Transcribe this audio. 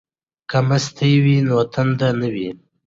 که مستې وي نو تنده نه وي.